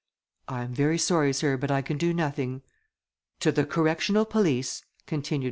"I am very sorry, Sir, but I can do nothing." "To the correctional police," continued M.